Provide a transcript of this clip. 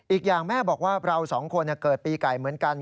อีกอย่างแม่บอกว่าเราสองคนเกิดปีไก่เหมือนกัน